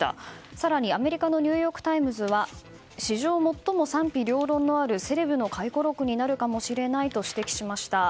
更にアメリカのニューヨーク・タイムズは史上最も賛否両論のあるセレブの回顧録になるかもしれないと指摘しました。